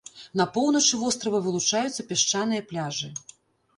На поўначы вострава вылучаюцца пясчаныя пляжы.